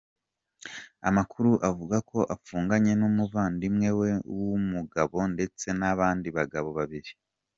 Amakuru avuga ko afunganye n'umuvandimwe we w'umugabo ndetse n'abandi bagabo babiri.